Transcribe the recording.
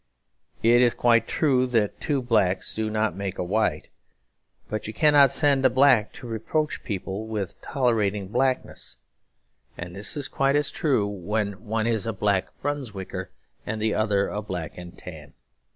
It is quite true that two blacks do not make a white; but you cannot send a black to reproach people with tolerating blackness; and this is quite as true when one is a Black Brunswicker and the other a Black and Tan.